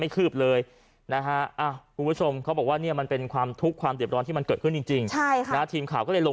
คุณผู้ชมเขาบอกว่านี่มันเป็นความทุกข์ความเดือดร้อนที่มันเกิดขึ้นจริงครับแล้วทีมข่าก็เลยลง